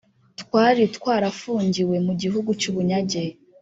Twari twarafungiwe mu gihugu cy’ubunyage